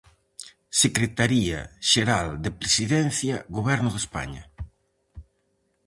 Secretaría Xeral de Presidencia Goberno de España.